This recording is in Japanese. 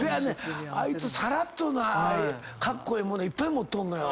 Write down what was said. あいつさらっとカッコエエ物いっぱい持っとんのよ。